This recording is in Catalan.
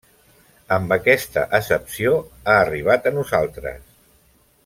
Amb aquesta accepció ha arribat a nosaltres.